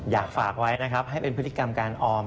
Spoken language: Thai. อยากฝากไว้นะครับให้เป็นพฤติกรรมการออม